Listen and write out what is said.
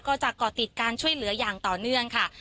ก่อติดการช่วยเหลืออย่างต่อเนื่องค่ะ